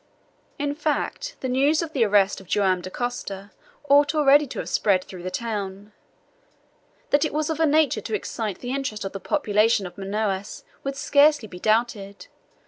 In fact, the news of the arrest of Joam Dacosta ought already to have spread through the town. That it was of a nature to excite the interest of the population of Manaos could scarcely be doubted.